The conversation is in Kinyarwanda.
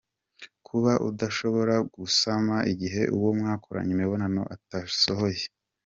Kuba udashobora gusama igihe uwo mwakoranye imibonano atasohoye .